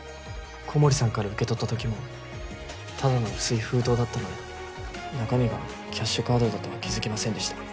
小森さんから受け取ったときもただの薄い封筒だったので中身がキャッシュカードだとは気づきませんでした。